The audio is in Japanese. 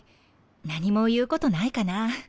何も言うことないかな。